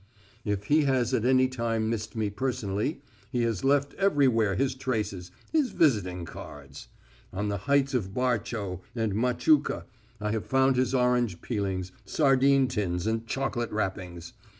_ If he has at any time missed me personally, he has left everywhere his traces, his visiting cards. On the heights of Barchau and Machuka I have found his orange peelings, sardine tins, and chocolate wrappings.